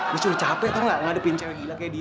lu cuma capek tau nggak ngadepin cewek gila kayak dia